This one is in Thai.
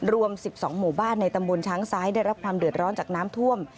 รวม๑๒หมู่บ้านในตำบลช้างซ้ายได้รับความเดือดร้อนจากน้ำท่วม